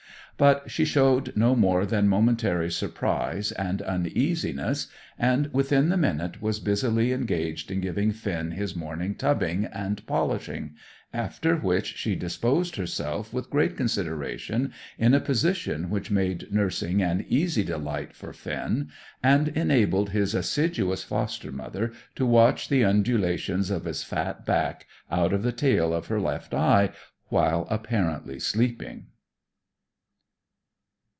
But she showed no more than momentary surprise and uneasiness, and within the minute was busily engaged in giving Finn his morning tubbing and polishing, after which she disposed herself with great consideration in a position which made nursing an easy delight for Finn, and enabled his assiduous foster mother to watch the undulations of his fat back, out of the tail of her left eye, while apparently sleeping.